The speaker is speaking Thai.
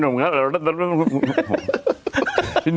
โหเมื่อคืนนี้